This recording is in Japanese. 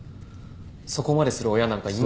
そこまでする親なんかいま。